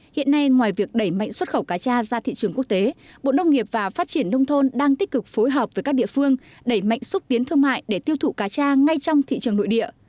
hiện nay ngoài việc đẩy mạnh xuất khẩu cá cha ra thị trường quốc tế bộ nông nghiệp và phát triển nông thôn đang tích cực phối hợp với các địa phương đẩy mạnh xúc tiến thương mại để tiêu thụ cá cha ngay trong thị trường nội địa